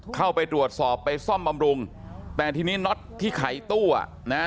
เข้าไปตรวจสอบไปซ่อมบำรุงแต่ทีนี้น็อตที่ไขตู้อ่ะนะฮะ